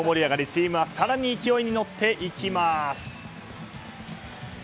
チームは更に勢いに乗っていきます。